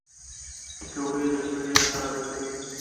پکورې د زړه یاد تازه کوي